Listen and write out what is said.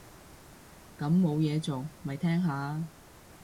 咁冇嘢做，咪聽下